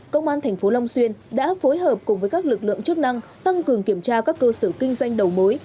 công an tp long xuyên đã phối hợp cùng với các lực lượng chức năng tăng cường kiểm tra các cơ sở kinh doanh đầu mối